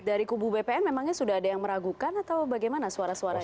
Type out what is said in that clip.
dari kubu bpn memangnya sudah ada yang meragukan atau bagaimana suara suara